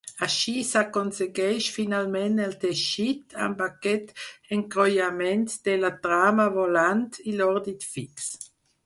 Així, s'aconsegueix finalment el teixit, amb aquest encreuament de la trama volant i l'ordit fix.